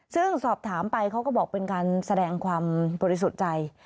ซึ่งสอบถามไปเขาก็บอกเป็นการแสดงความบริสุทธิ์ใจ